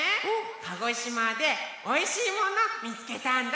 鹿児島でおいしいものみつけたんだ。